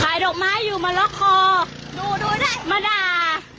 ขายดอกไม้อยู่มาล็อกคอมาด่า